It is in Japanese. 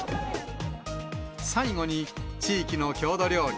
最後に、地域の郷土料理、